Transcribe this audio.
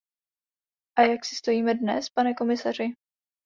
A jak si stojíme dnes, pane komisaři?